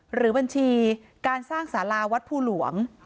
หรือบัญชีการสร้างสาราวัดภูหลวง